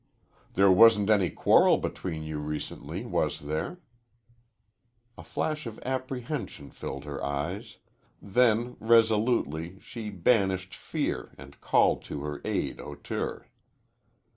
"There wasn't any quarrel between you recently, was there?" A flash of apprehension filled her eyes. Then, resolutely, she banished fear and called to her aid hauteur.